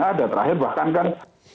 ada terakhir bahkan kan